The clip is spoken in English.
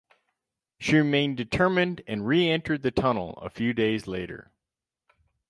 She remained determined and re-entered the tunnel a few days later.